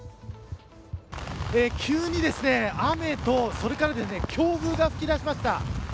急に雨とそれから強風が吹きだしました。